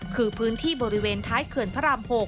คือพื้นที่บริเวณท้ายเขื่อนพระราม๖